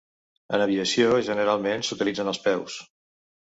En aviació, generalment s'utilitzen els peus.